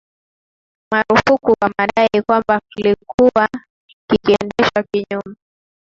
marufuku kwa madai kwamba kilikuwa kikiendeshwa kinyume